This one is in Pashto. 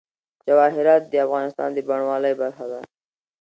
جواهرات د افغانستان د بڼوالۍ برخه ده.